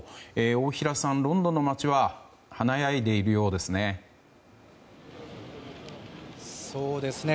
大平さん、ロンドンの街は華やいでいるようですね。